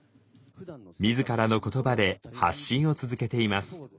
自らの言葉で発信を続けています。